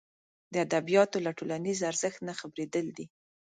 د ادبیاتو له ټولنیز ارزښت نه خبرېدل دي.